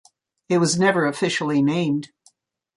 It was never officially named.